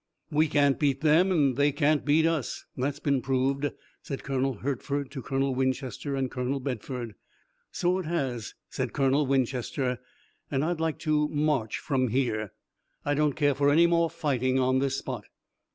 "We can't beat them and they can't beat us. That's been proved," said Colonel Hertford to Colonel Winchester and Colonel Bedford. "So it has," said Colonel Winchester, "and I'd like to march from here. I don't care for any more fighting on this spot."